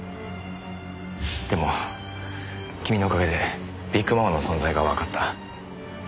でも君のおかげでビッグママの存在がわかった。